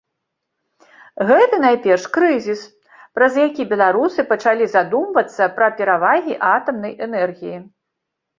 Гэта, найперш, крызіс, праз які беларусы пачалі задумывацца пра перавагі атамнай энергіі.